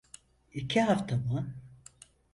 İki hafta mı?